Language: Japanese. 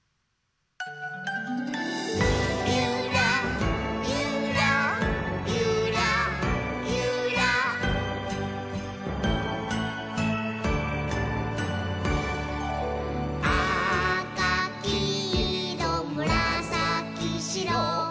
「ゆらゆらゆらゆら」「あかきいろむらさきしろ」